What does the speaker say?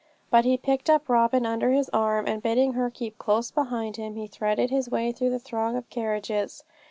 But he picked up Robin under his arm, and bidding her keep close beside him, he threaded his way through the throng of carriages.